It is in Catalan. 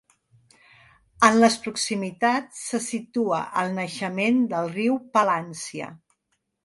En les proximitats se situa el naixement del riu Palància.